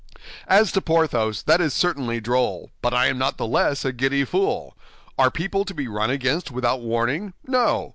"As to Porthos, that is certainly droll; but I am not the less a giddy fool. Are people to be run against without warning? No!